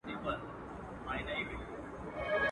ګورته وړي غریب او خان ګوره چي لا څه کیږي.